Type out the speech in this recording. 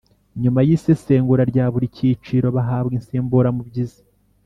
nyuma y isesengura rya buri cyiciro bahabwa insimburamubyizi